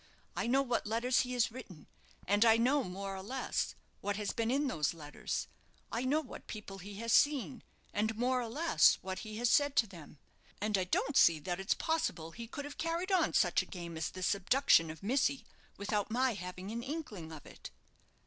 I know what letters he has written, and I know more or less what has been in those letters. I know what people he has seen, and more or less what he has said to them; and I don't see that it's possible he could have carried on such a game as this abduction of Missy without my having an inkling of it."